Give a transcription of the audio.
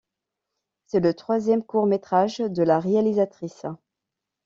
C'est le troisième court métrage de la réalisatrice.